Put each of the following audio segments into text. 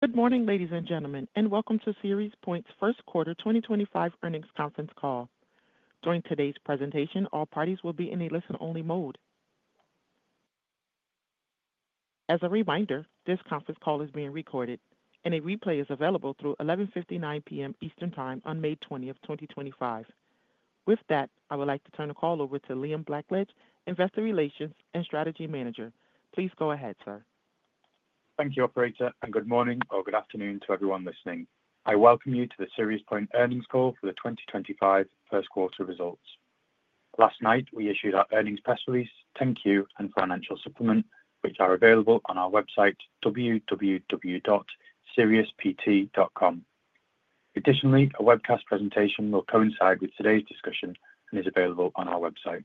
Good morning, ladies and gentlemen, and welcome to SiriusPoint's first quarter 2025 earnings conference call. During today's presentation, all parties will be in a listen-only mode. As a reminder, this conference call is being recorded, and a replay is available through 11:59 P.M. Eastern Time on May 20th, 2025. With that, I would like to turn the call over to Liam Blackledge, Investor Relations and Strategy Manager. Please go ahead, sir. Thank you, Operator, and good morning or good afternoon to everyone listening. I welcome you to the SiriusPoint earnings call for the 2025 first quarter results. Last night, we issued our earnings press release, 10-Q, and financial supplement, which are available on our website, www.siriuspt.com. Additionally, a webcast presentation will coincide with today's discussion and is available on our website.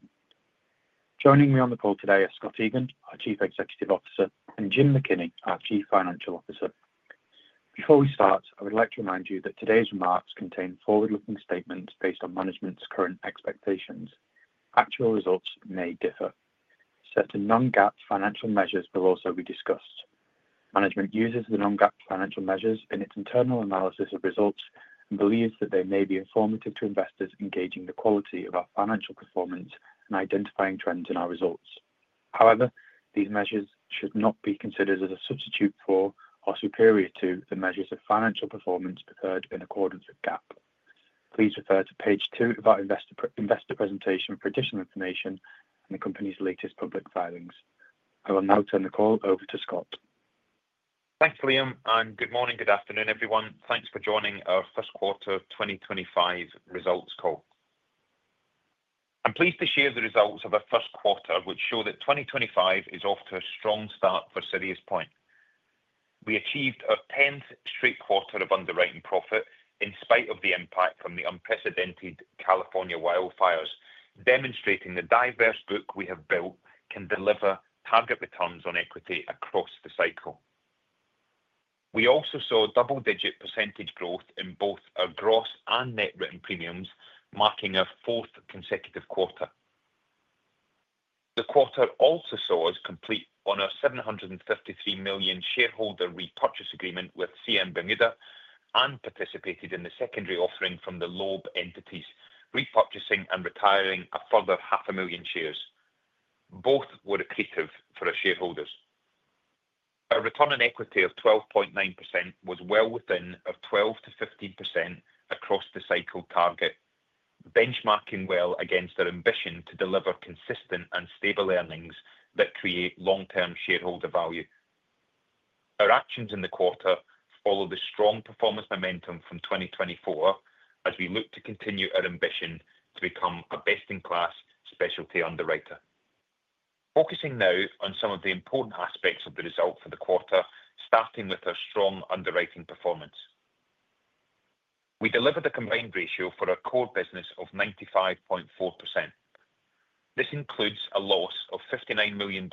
Joining me on the call today are Scott Egan, our Chief Executive Officer, and Jim McKinney, our Chief Financial Officer. Before we start, I would like to remind you that today's remarks contain forward-looking statements based on management's current expectations. Actual results may differ. Certain non-GAAP financial measures will also be discussed. Management uses the non-GAAP financial measures in its internal analysis of results and believes that they may be informative to investors in guaging the quality of our financial performance and identifying trends in our results. However, these measures should not be considered as a substitute for or superior to the measures of financial performance preferred in accordance with GAAP. Please refer to page two of our investor presentation for additional information on the company's latest public filings. I will now turn the call over to Scott. Thanks, Liam, and good morning, good afternoon, everyone. Thanks for joining our first quarter 2025 results call. I'm pleased to share the results of our first quarter, which show that 2025 is off to a strong start for SiriusPoint. We achieved a 10th straight quarter of underwriting profit in spite of the impact from the unprecedented California wildfires, demonstrating the diverse book we have built can deliver target returns on equity across the cycle. We also saw double-digit % growth in both our gross and net written premiums, marking our fourth consecutive quarter. The quarter also saw us complete on our $753 million shareholder repurchase agreement with CM Bermuda and participated in the secondary offering from the Loeb entities, repurchasing and retiring a further 0.5 million shares. Both were accretive for our shareholders. Our return on equity of 12.9% was well within our 12% to 15% across the cycle target, benchmarking well against our ambition to deliver consistent and stable earnings that create long-term shareholder value. Our actions in the quarter follow the strong performance momentum from 2024 as we look to continue our ambition to become a best-in-class specialty underwriter. Focusing now on some of the important aspects of the result for the quarter, starting with our strong underwriting performance. We delivered a combined ratio for our core business of 95.4%. This includes a loss of $59 million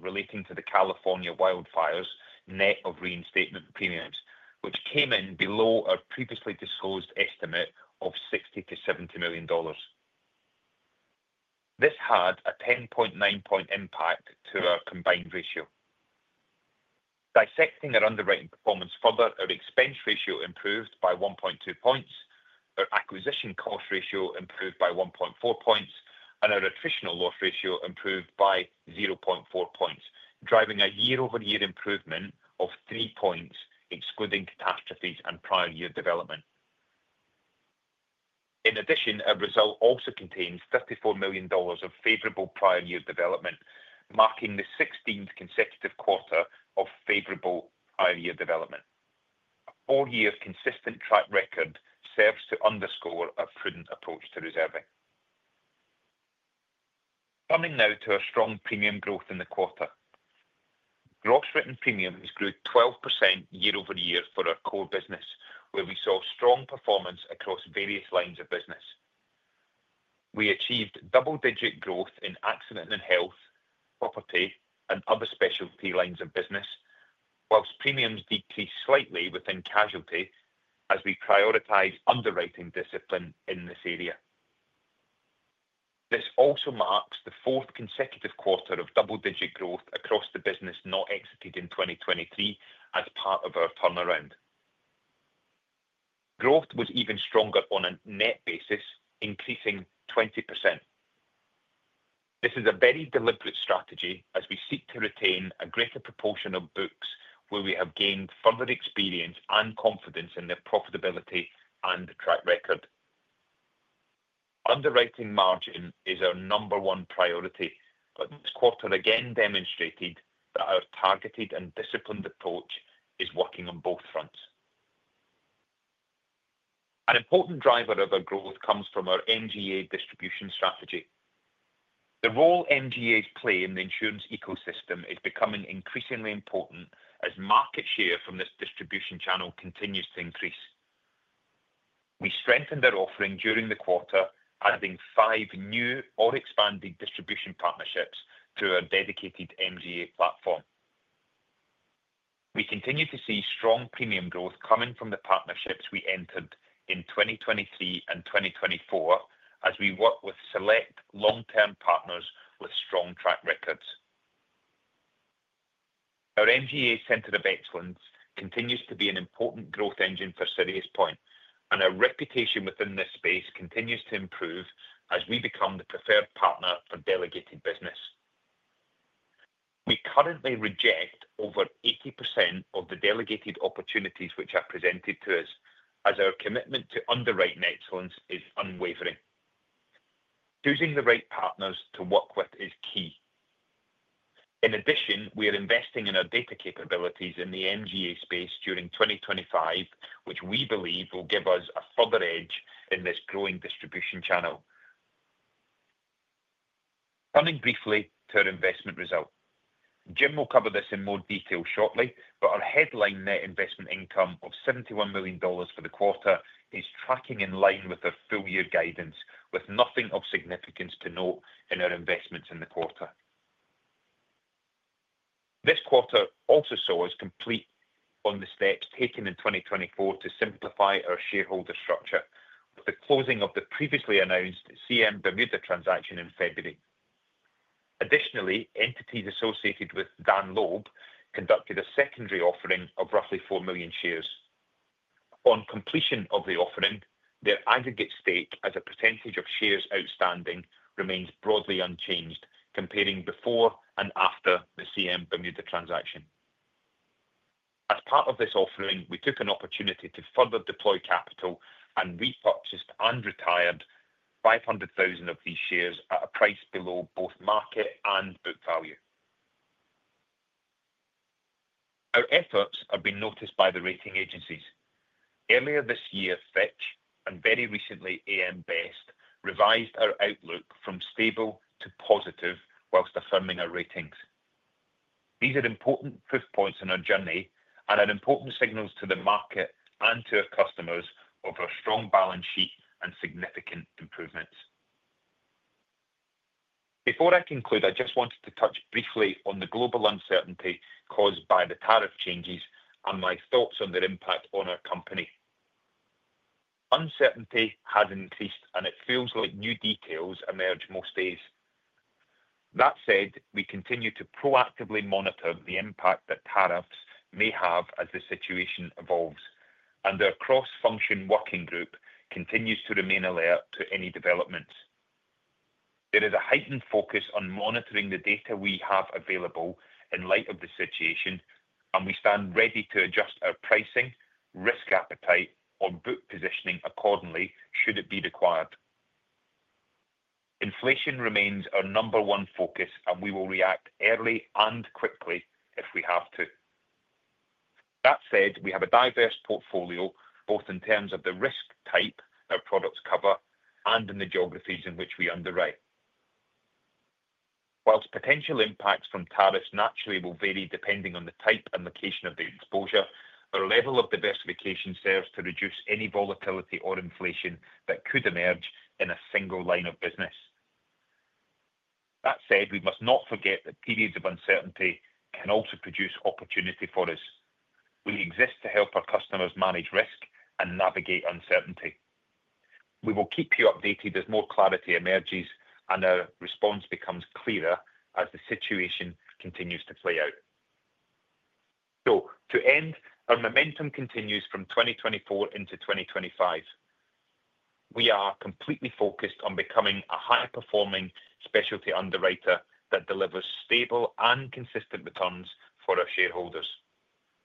relating to the California wildfires net of reinstatement premiums, which came in below our previously disclosed estimate of $60 million to 70 million. This had a 10.9-point impact to our combined ratio. Dissecting our underwriting performance further, our expense ratio improved by 1.2 percentage points, our acquisition cost ratio improved by 1.4 percentage points, and our attritional loss ratio improved by 0.4 points, driving a year-over-year improvement of 3 percentage points excluding catastrophes and prior year development. In addition, our result also contains $34 million of favorable prior year development, marking the 16th consecutive quarter of favorable prior year development. Our full year consistent track record serves to underscore our prudent approach to reserving. Coming now to our strong premium growth in the quarter. Gross written premiums grew 12% year-over-year for our core business, where we saw strong performance across various lines of business. We achieved double-digit growth in accident and health, property, and other specialty lines of business, whilst premiums decreased slightly within casualty as we prioritized underwriting discipline in this area. This also marks the fourth consecutive quarter of double-digit growth across the business not exited in 2023 as part of our turnaround. Growth was even stronger on a net basis, increasing 20%. This is a very deliberate strategy as we seek to retain a greater proportion of books where we have gained further experience and confidence in their profitability and track record. Underwriting margin is our number one priority, but this quarter again demonstrated that our targeted and disciplined approach is working on both fronts. An important driver of our growth comes from our MGA distribution strategy. The role MGAs play in the insurance ecosystem is becoming increasingly important as market share from this distribution channel continues to increase. We strengthened our offering during the quarter, adding five new or expanded distribution partnerships through our dedicated MGA platform. We continue to see strong premium growth coming from the partnerships we entered in 2023 and 2024 as we work with select long-term partners with strong track records. Our MGA Center of Excellence continues to be an important growth engine for SiriusPoint, and our reputation within this space continues to improve as we become the preferred partner for delegated business. We currently reject over 80% of the delegated opportunities which are presented to us, as our commitment to underwriting excellence is unwavering. Choosing the right partners to work with is key. In addition, we are investing in our data capabilities in the MGA space during 2025, which we believe will give us a further edge in this growing distribution channel. Turning briefly to our investment result, Jim will cover this in more detail shortly, but our headline net investment income of $71 million for the quarter is tracking in line with our full-year guidance, with nothing of significance to note in our investments in the quarter. This quarter also saw us complete on the steps taken in 2024 to simplify our shareholder structure, with the closing of the previously announced CM Bermuda transaction in February. Additionally, entities associated with Dan Loeb conducted a secondary offering of roughly 4 million shares. on completion of the offering, their aggregate stake as a percentage of shares outstanding remains broadly unchanged, comparing before and after the CM Bermuda transaction. As part of this offering, we took an opportunity to further deploy capital and repurchased and retired 500,000 of these shares at a price below both market and book value. Our efforts have been noticed by the rating agencies. Earlier this year, Fitch and very recently AM Best revised our outlook from stable to positive whilst affirming our ratings. These are important proof points in our journey and are important signals to the market and to our customers of our strong balance sheet and significant improvements. Before I conclude, I just wanted to touch briefly on the global uncertainty caused by the tariff changes and my thoughts on their impact on our company. Uncertainty has increased, and it feels like new details emerge most days. That said, we continue to proactively monitor the impact that tariffs may have as the situation evolves, and our cross-function working group continues to remain alert to any developments. There is a heightened focus on monitoring the data we have available in light of the situation, and we stand ready to adjust our pricing, risk appetite, or book positioning accordingly should it be required. Inflation remains our number one focus, and we will react early and quickly if we have to. That said, we have a diverse portfolio, both in terms of the risk type our products cover and in the geographies in which we underwrite. Whilst potential impacts from tariffs naturally will vary depending on the type and location of the exposure, our level of diversification serves to reduce any volatility or inflation that could emerge in a single line of business. That said, we must not forget that periods of uncertainty can also produce opportunity for us. We exist to help our customers manage risk and navigate uncertainty. We will keep you updated as more clarity emerges and our response becomes clearer as the situation continues to play out. To end, our momentum continues from 2024 into 2025. We are completely focused on becoming a high-performing specialty underwriter that delivers stable and consistent returns for our shareholders.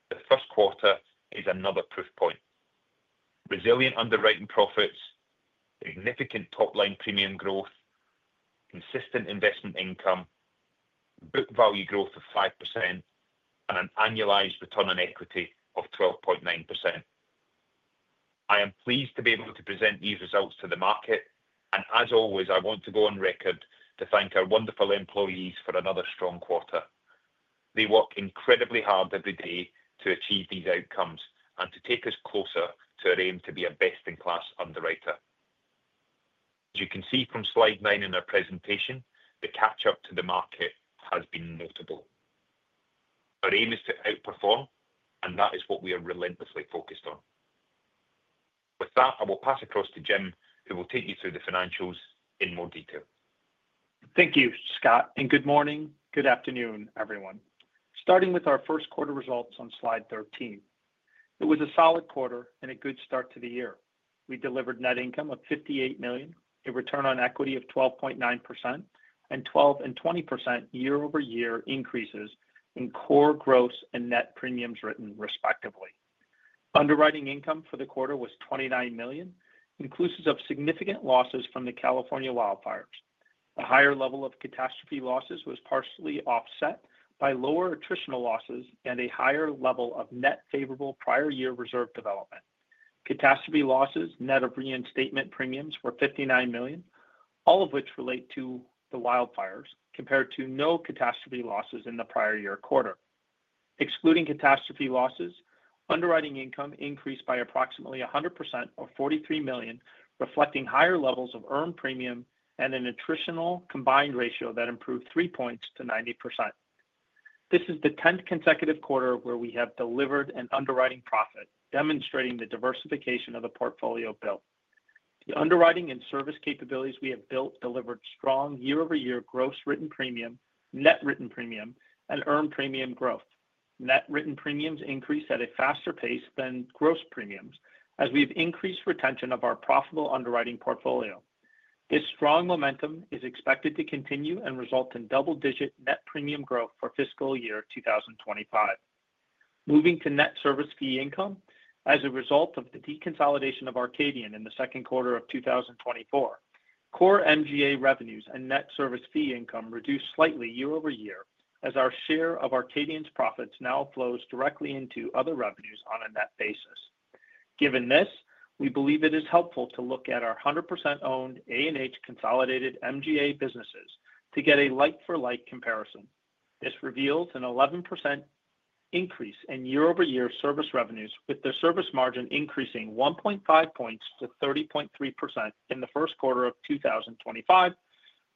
The first quarter is another proof point: resilient underwriting profits, significant top-line premium growth, consistent investment income, book value growth of 5%, and an annualized return on equity of 12.9%. I am pleased to be able to present these results to the market, and as always, I want to go on record to thank our wonderful employees for another strong quarter. They work incredibly hard every day to achieve these outcomes and to take us closer to our aim to be a best-in-class underwriter. As you can see from slide nine in our presentation, the catch-up to the market has been notable. Our aim is to outperform, and that is what we are relentlessly focused on. With that, I will pass across to Jim, who will take you through the financials in more detail. Thank you, Scott, and good morning. Good afternoon, everyone. Starting with our first quarter results on slide 13. It was a solid quarter and a good start to the year. We delivered net income of $58 million, a return on equity of 12.9%, and 12% and 20% year-over-year increases in core gross and net premiums written, respectively. Underwriting income for the quarter was $29 million, inclusive of significant losses from the California wildfires. A higher level of catastrophe losses was partially offset by lower attritional losses and a higher level of net favorable prior year reserve development. Catastrophe Losses net of reinstatement premiums were $59 million, all of which relate to the wildfires, compared to no catastrophe losses in the prior year quarter. Excluding catastrophe losses, underwriting income increased by approximately 100% or $43 million, reflecting higher levels of earned premium and an attritional combined ratio that improved 3 percentage points to 90%. This is the 10th consecutive quarter where we have delivered an underwriting profit, demonstrating the diversification of the portfolio built. The underwriting and service capabilities we have built delivered strong year-over-year gross written premium, net written premium, and earned premium growth. Net written premiums increased at a faster pace than gross premiums as we have increased retention of our profitable underwriting portfolio. This strong momentum is expected to continue and result in double-digit net premium growth for fiscal year 2025. Moving to net service fee income, as a result of the deconsolidation of Arcadian in the second quarter of 2024, core MGA revenues and net service fee income reduced slightly year-over-year as our share of Arcadian's profits now flows directly into other revenues on a net basis. Given this, we believe it is helpful to look at our 100% owned A&H consolidated MGA businesses to get a like-for-like comparison. This reveals an 11% increase in year-over-year service revenues, with the service margin increasing 1.5 percentage points to 30.3% in the first quarter of 2025,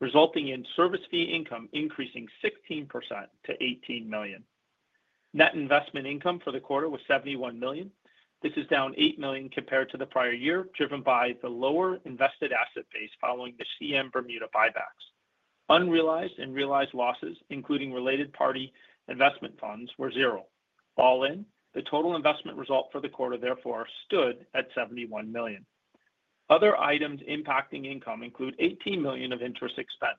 resulting in service fee income increasing 16% to $18 million. Net investment income for the quarter was $71 million. This is down $8 million compared to the prior year, driven by the lower invested asset base following the CM Bermuda buybacks. Unrealized and realized losses, including related party investment funds, were zero. All in, the total investment result for the quarter, therefore, stood at $71 million. Other items impacting income include $18 million of interest expense.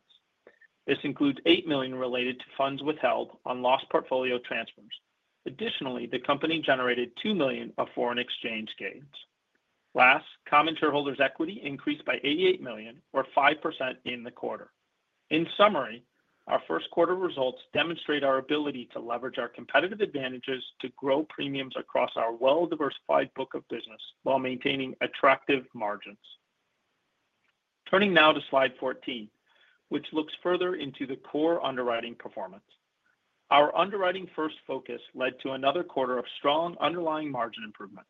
This includes $8 million related to funds withheld on loss portfolio transfers. Additionally, the company generated $2 million of foreign exchange gains. Last, common shareholders' equity increased by $88 million, or 5% in the quarter. In summary, our first quarter results demonstrate our ability to leverage our competitive advantages to grow premiums across our well-diversified book of business while maintaining attractive margins. Turning now to slide 14, which looks further into the core underwriting performance. Our underwriting first focus led to another quarter of strong underlying margin improvement.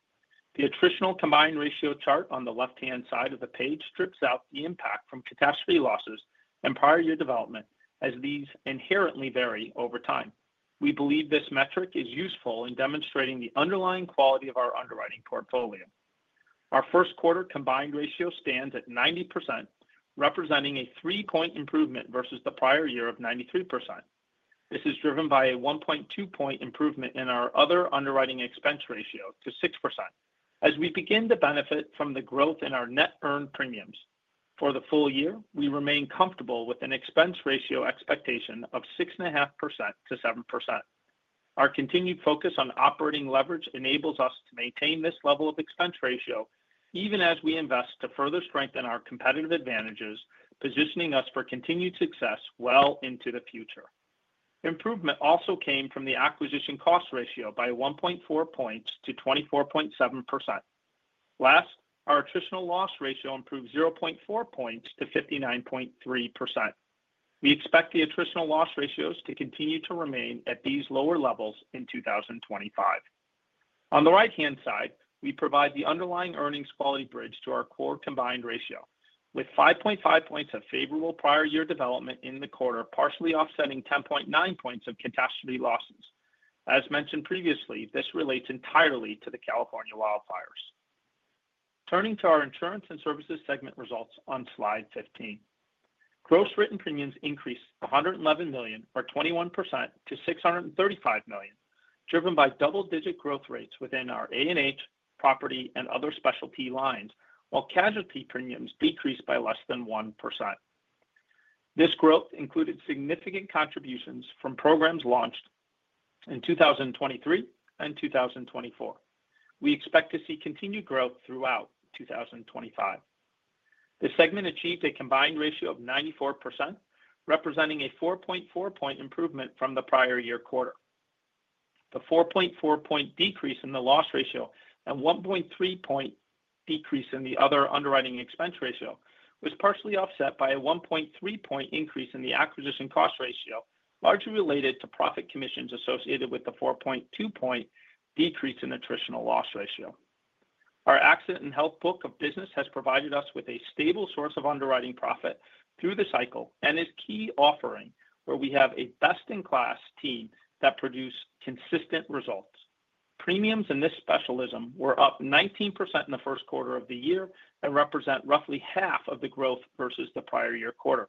The attritional combined ratio chart on the left-hand side of the page strips out the impact from catastrophe losses and prior year development as these inherently vary over time. We believe this metric is useful in demonstrating the underlying quality of our underwriting portfolio. Our first quarter combined ratio stands at 90%, representing a three-point improvement versus the prior year of 93%. This is driven by a 1.2-point improvement in our other underwriting expense ratio to 6% as we begin to benefit from the growth in our net earned premiums. For the full year, we remain comfortable with an expense ratio expectation of 6.5%-7%. Our continued focus on operating leverage enables us to maintain this level of expense ratio even as we invest to further strengthen our competitive advantages, positioning us for continued success well into the future. Improvement also came from the acquisition cost ratio by 1.4 points to 24.7%. Last, our attritional loss ratio improved 0.4 points to 59.3%. We expect the attritional loss ratios to continue to remain at these lower levels in 2025. On the right-hand side, we provide the underlying earnings quality bridge to our core combined ratio, with 5.5 points of favorable prior year development in the quarter partially offsetting 10.9 points of catastrophe losses. As mentioned previously, this relates entirely to the California wildfires. Turning to our insurance and services segment results on slide 15, gross written premiums increased $111 million, or 21%, to $635 million, driven by double-digit growth rates within our A&H, property, and other specialty lines, while casualty premiums decreased by less than 1%. This growth included significant contributions from programs launched in 2023 and 2024. We expect to see continued growth throughout 2025. The segment achieved a combined ratio of 94%, representing a 4.4-point improvement from the prior year quarter. The 4.4-point decrease in the loss ratio and 1.3-point decrease in the other underwriting expense ratio was partially offset by a 1.3-point increase in the acquisition cost ratio, largely related to profit commissions associated with the 4.2-point decrease in attritional loss ratio. Our accident and health book of business has provided us with a stable source of underwriting profit through the cycle and is a key offering where we have a best-in-class team that produced consistent results. Premiums in this specialism were up 19% in the first quarter of the year and represent roughly half of the growth versus the prior year quarter.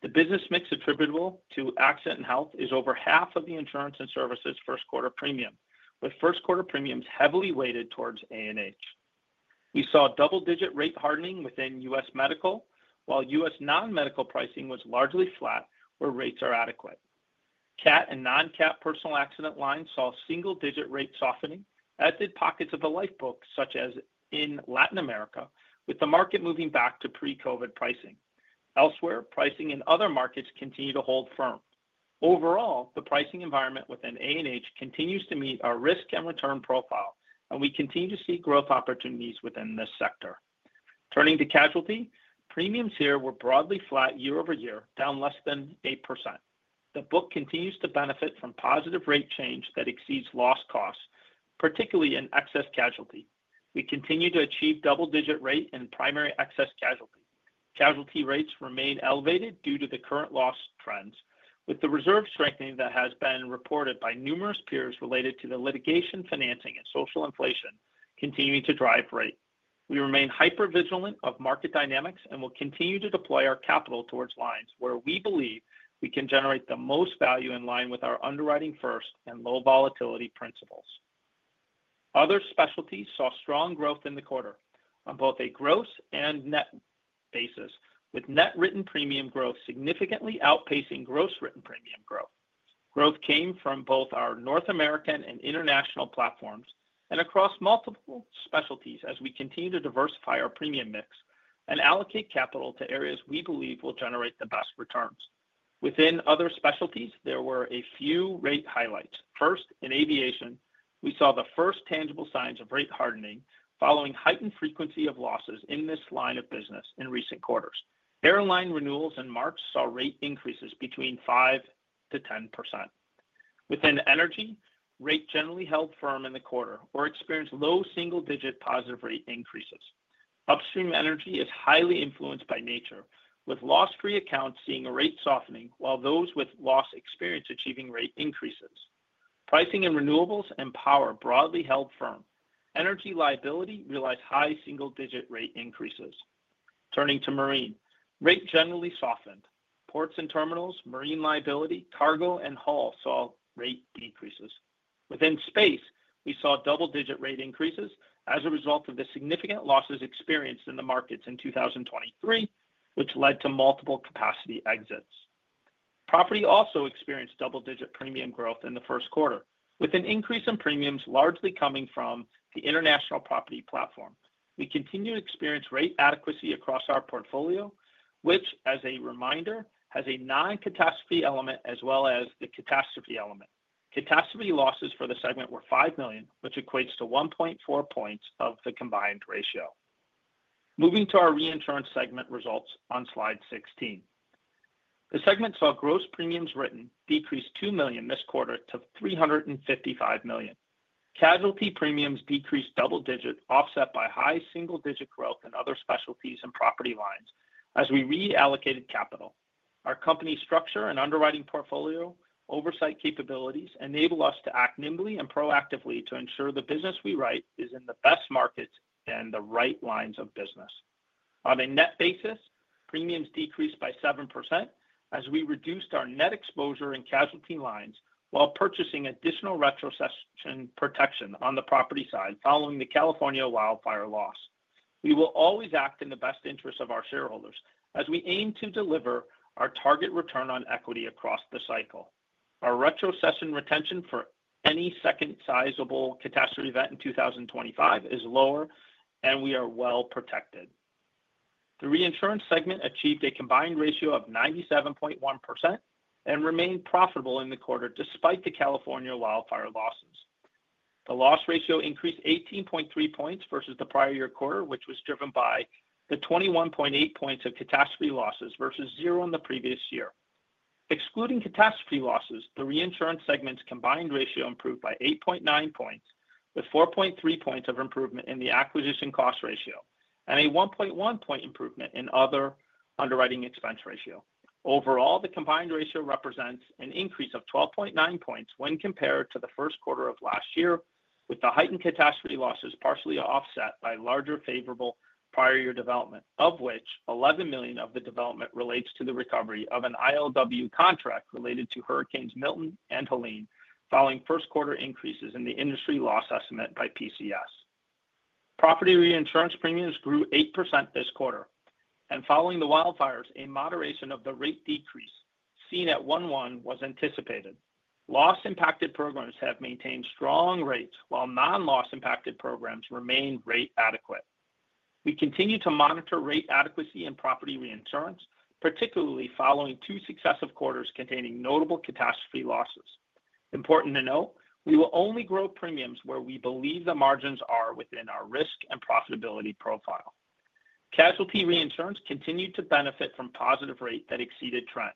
The business mix attributable to accident and health is over half of the insurance and services first quarter premium, with first quarter premiums heavily weighted towards A&H. We saw double-digit rate hardening within U.S. medical, while U.S. non-medical pricing was largely flat where rates are adequate. CAT and non-CAT personal accident lines saw single-digit rate softening, as did pockets of the life book such as in Latin America, with the market moving back to pre-COVID pricing. Elsewhere, pricing in other markets continued to hold firm. Overall, the pricing environment within A&H continues to meet our risk and return profile, and we continue to see growth opportunities within this sector. Turning to casualty, premiums here were broadly flat year-over-year, down less than 8%. The book continues to benefit from positive rate change that exceeds loss costs, particularly in excess casualty. We continue to achieve double-digit rate in primary excess casualty. Casualty rates remain elevated due to the current loss trends, with the reserve strengthening that has been reported by numerous peers related to the litigation, financing, and social inflation continuing to drive rate. We remain hyper-vigilant of market dynamics and will continue to deploy our capital towards lines where we believe we can generate the most value in line with our underwriting first and low volatility principles. Other specialties saw strong growth in the quarter on both a gross and net basis, with net written premium growth significantly outpacing gross written premium growth. Growth came from both our North American and international platforms and across multiple specialties as we continue to diversify our premium mix and allocate capital to areas we believe will generate the best returns. Within other specialties, there were a few rate highlights. First, in aviation, we saw the first tangible signs of rate hardening following heightened frequency of losses in this line of business in recent quarters. Airline renewals in March saw rate increases between 5% to 10%. Within energy, rates generally held firm in the quarter or experienced low single-digit positive rate increases. Upstream energy is highly influenced by nature, with loss-free accounts seeing a rate softening while those with loss experience achieving rate increases. Pricing in renewables and power broadly held firm. Energy liability realized high single-digit rate increases. Turning to marine, rates generally softened. Ports and terminals, marine liability, cargo, and haul saw rate decreases. Within space, we saw double-digit rate increases as a result of the significant losses experienced in the markets in 2023, which led to multiple capacity exits. Property also experienced double-digit premium growth in the first quarter, with an increase in premiums largely coming from the international property platform. We continue to experience rate adequacy across our portfolio, which, as a reminder, has a non-catastrophe element as well as the catastrophe element. Catastrophe losses for the segment were $5 million, which equates to 1.4 points of the combined ratio. Moving to our reinsurance segment results on slide 16. The segment saw gross premiums written decrease $2 million this quarter to $355 million. Casualty premiums decreased double-digit, offset by high single-digit growth in other specialties and property lines as we reallocated capital. Our company structure and underwriting portfolio oversight capabilities enable us to act nimbly and proactively to ensure the business we write is in the best markets and the right lines of business. On a net basis, premiums decreased by 7% as we reduced our net exposure in casualty lines while purchasing additional retrocession protection on the property side following the California wildfire loss. We will always act in the best interest of our shareholders as we aim to deliver our target return on equity across the cycle. Our retrocession retention for any second sizable catastrophe event in 2025 is lower, and we are well protected. The reinsurance segment achieved a combined ratio of 97.1% and remained profitable in the quarter despite the California wildfire losses. The loss ratio increased 18.3 percentage points versus the prior year quarter, which was driven by the 21.8 percentage points of catastrophe losses versus zero in the previous year. Excluding catastrophe losses, the reinsurance segment's combined ratio improved by 8.9 percentage points, with 4.3 percentage points of improvement in the acquisition cost ratio and a 1.1-percentage point improvement in other underwriting expense ratio. Overall, the combined ratio represents an increase of 12.9 percentage points when compared to the first quarter of last year, with the heightened catastrophe losses partially offset by larger favorable prior year development, of which $11 million of the development relates to the recovery of an ILW contract related to Hurricanes Milton and Helene following first quarter increases in the industry loss estimate by PCS. Property reinsurance premiums grew 8% this quarter, and following the wildfires, a moderation of the rate decrease seen at 1.1 was anticipated. Loss-impacted programs have maintained strong rates, while non-loss-impacted programs remain rate adequate. We continue to monitor rate adequacy in property reinsurance, particularly following two successive quarters containing notable catastrophe losses. Important to note, we will only grow premiums where we believe the margins are within our risk and profitability profile. Casualty reinsurance continued to benefit from positive rate that exceeded trend.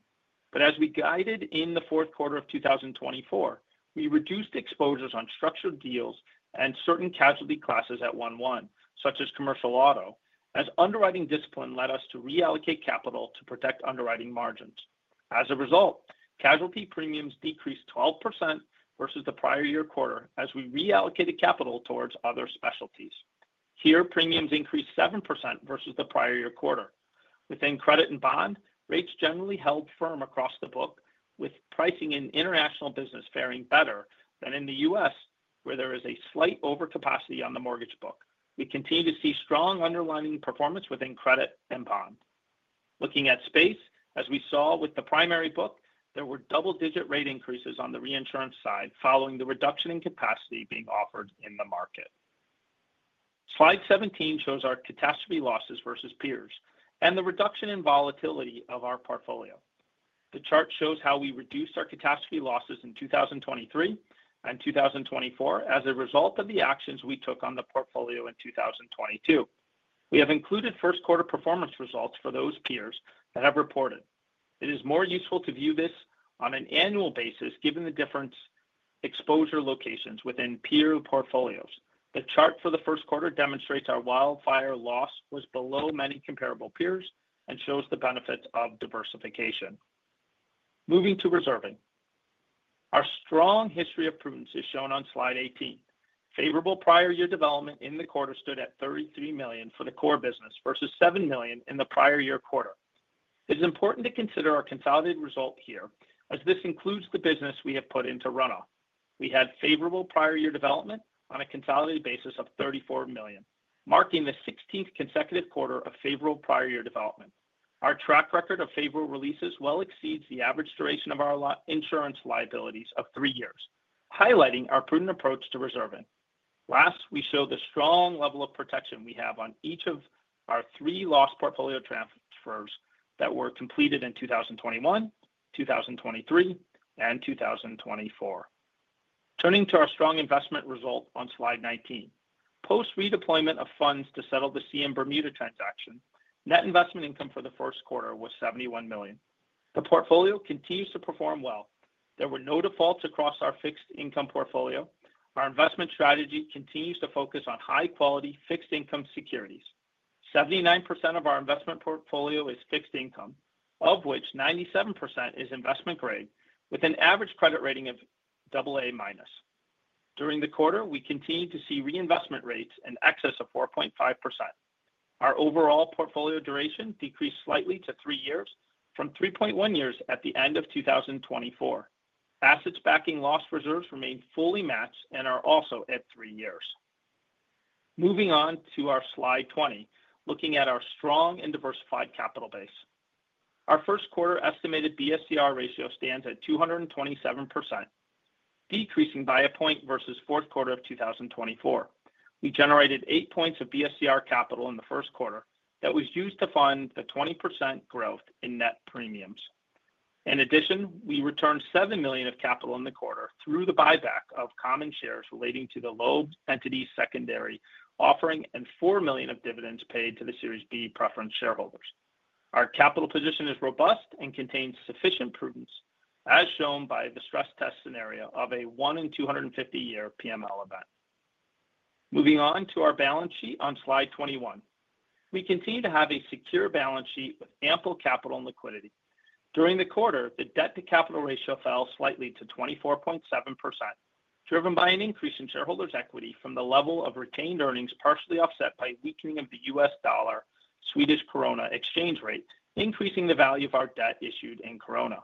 As we guided in the fourth quarter of 2024, we reduced exposures on structured deals and certain casualty classes at 1.1, such as commercial auto, as underwriting discipline led us to reallocate capital to protect underwriting margins. As a result, casualty premiums decreased 12% versus the prior year quarter as we reallocated capital towards other specialties. Here, premiums increased 7% versus the prior year quarter. Within credit and bond, rates generally held firm across the book, with pricing in international business faring better than in the U.S., where there is a slight overcapacity on the mortgage book. We continue to see strong underlying performance within credit and bond. Looking at space, as we saw with the primary book, there were double-digit rate increases on the reinsurance side following the reduction in capacity being offered in the market. Slide 17 shows our catastrophe losses versus peers and the reduction in volatility of our portfolio. The chart shows how we reduced our catastrophe losses in 2023 and 2024 as a result of the actions we took on the portfolio in 2022. We have included first quarter performance results for those peers that have reported. It is more useful to view this on an annual basis given the different exposure locations within peer portfolios. The chart for the first quarter demonstrates our wildfire loss was below many comparable peers and shows the benefits of diversification. Moving to reserving, our strong history of prudence is shown on slide 18. Favorable prior year development in the quarter stood at $33 million for the core business versus $7 million in the prior year quarter. It's important to consider our consolidated result here as this includes the business we have put into runoff. We had favorable prior year development on a consolidated basis of $34 million, marking the 16th consecutive quarter of favorable prior year development. Our track record of favorable releases well exceeds the average duration of our insurance liabilities of three years, highlighting our prudent approach to reserving. Last, we show the strong level of protection we have on each of our three loss portfolio transfers that were completed in 2021, 2023, and 2024. Turning to our strong investment result on slide 19, post-redeployment of funds to settle the CM Bermuda transaction, net investment income for the first quarter was $71 million. The portfolio continues to perform well. There were no defaults across our fixed income portfolio. Our investment strategy continues to focus on high-quality fixed income securities. 79% of our investment portfolio is fixed income, of which 97% is investment grade, with an average credit rating of AA-. During the quarter, we continue to see reinvestment rates in excess of 4.5%. Our overall portfolio duration decreased slightly to three years from 3.1 years at the end of 2024. Assets backing loss reserves remain fully matched and are also at three years. Moving on to our slide 20, looking at our strong and diversified capital base. Our first quarter estimated BSCR ratio stands at 227%, decreasing by a point versus fourth quarter of 2024. We generated eight points of BSCR capital in the first quarter that was used to fund the 20% growth in net premiums. In addition, we returned $7 million of capital in the quarter through the buyback of common shares relating to the Loeb entities secondary offering and $4 million of dividends paid to the Series B preference shareholders. Our capital position is robust and contains sufficient prudence, as shown by the stress test scenario of a 1 in 250 year PML event. Moving on to our balance sheet on slide 21, we continue to have a secure balance sheet with ample capital and liquidity. During the quarter, the debt-to-capital ratio fell slightly to 24.7%, driven by an increase in shareholders' equity from the level of retained earnings partially offset by weakening of the U.S. dollar-Swedish krona exchange rate, increasing the value of our debt issued in krona.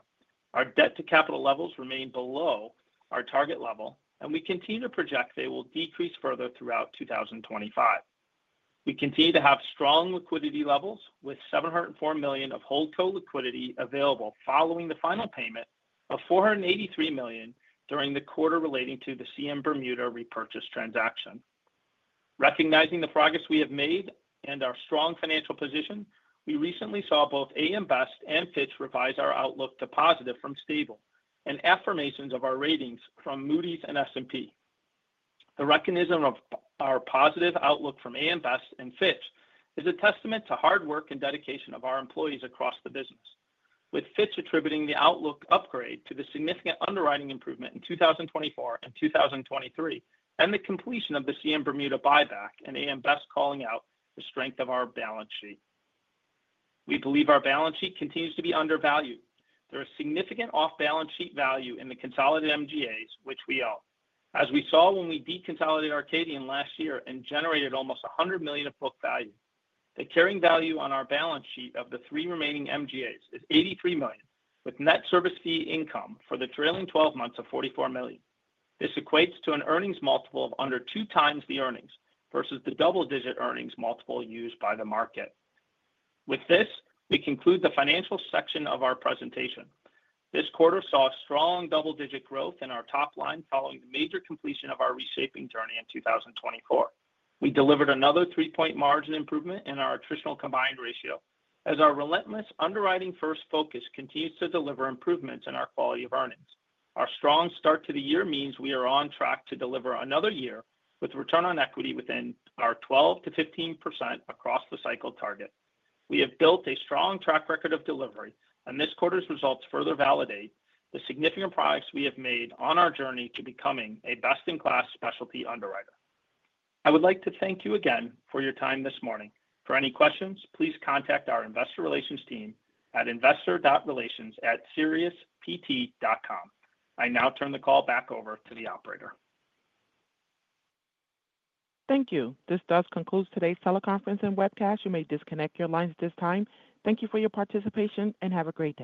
Our debt-to-capital levels remain below our target level, and we continue to project they will decrease further throughout 2025. We continue to have strong liquidity levels with $704 million of hold-co liquidity available following the final payment of $483 million during the quarter relating to the CM Bermuda repurchase transaction. Recognizing the progress we have made and our strong financial position, we recently saw both AM Best and Fitch revise our outlook to positive from stable and affirmations of our ratings from Moody's and S&P. The mechanism of our positive outlook from AM Best and Fitch is a testament to hard work and dedication of our employees across the business, with Fitch attributing the outlook upgrade to the significant underwriting improvement in 2024 and 2023 and the completion of the CM Bermuda buyback and AM Best calling out the strength of our balance sheet. We believe our balance sheet continues to be undervalued. There is significant off-balance sheet value in the consolidated MGAs, which we own, as we saw when we deconsolidated Arcadian last year and generated almost $100 million of book value. The carrying value on our balance sheet of the three remaining MGAs is $83 million, with net service fee income for the trailing 12 months of $44 million. This equates to an earnings multiple of under two times the earnings versus the double-digit earnings multiple used by the market. With this, we conclude the financial section of our presentation. This quarter saw strong double-digit growth in our top line following the major completion of our reshaping journey in 2024. We delivered another three-point margin improvement in our attritional combined ratio as our relentless underwriting-first focus continues to deliver improvements in our quality of earnings. Our strong start to the year means we are on track to deliver another year with return on equity within our 12% to 15% across the cycle target. We have built a strong track record of delivery, and this quarter's results further validate the significant progress we have made on our journey to becoming a best-in-class specialty underwriter. I would like to thank you again for your time this morning. For any questions, please contact our investor relations team at investor.relations@siriuspt.com. I now turn the call back over to the operator. Thank you. This does conclude today's teleconference and webcast. You may disconnect your lines at this time. Thank you for your participation and have a great day.